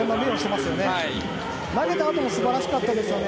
投げたあとも素晴らしかったですよね。